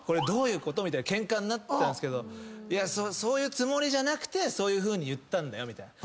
みたいなケンカになったんですけどそういうつもりじゃなくてそういうふうに言ったんだよみたいな。